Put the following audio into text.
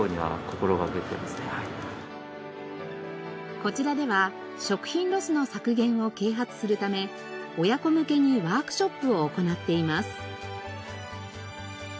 こちらでは食品ロスの削減を啓発するため親子向けにワークショップを行っています。